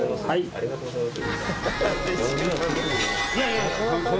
ありがとうございます。